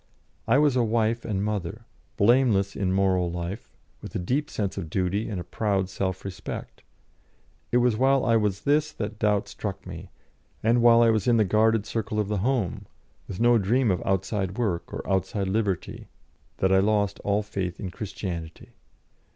I was a wife and mother, blameless in moral life, with a deep sense of duty and a proud self respect; it was while I was this that doubt struck me, and while I was in the guarded circle of the home, with no dream of outside work or outside liberty, that I lost all faith in Christianity.